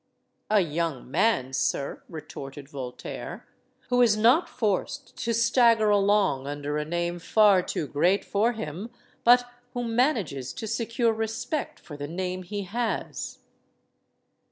"A young man, sir," retorted Voltaire, "who is not forced to stagger along under a name far too great for him; but who manages to secure respect for the name he has."